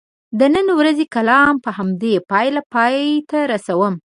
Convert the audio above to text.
د نن ورځې کالم په همدې پایله پای ته رسوم.